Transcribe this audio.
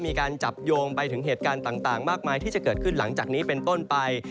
มีการจับโยงไปถึงเหตุการณ์ต่างมากมายที่จะเกิดขึ้นหลังจากนี้เป็นต้นไป